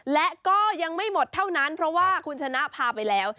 และก็ยังไม่หมดเท่านั้นเพราะว่าคุณชนะพาไปแล้ว